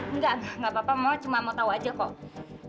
enggak enggak apa apa mau cuma mau tahu aja kok